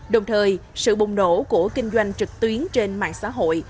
đồng thời sự bùng nổ của kinh doanh trực tuyến trên mạng xã hội